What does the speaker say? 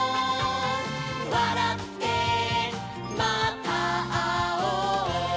「わらってまたあおう」